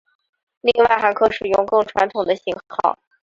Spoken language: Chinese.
另外还可使用更传统的型号。